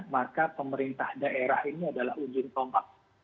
maka pemerintah daerah ini adalah ujin pompa